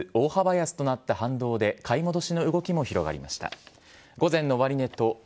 先週末、大幅安となった反動で、買い戻しの動きも広がりました。